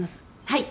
はい。